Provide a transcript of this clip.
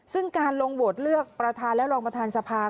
ซึ่งการลงโหวตเลือกประธานและรองประธานสภา